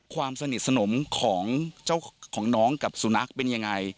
ความสนิทสนมของเจ้าของน้องกับสุนัขเป็นยังไง